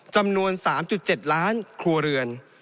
จำนวน๓๗ล้านครัวเรือน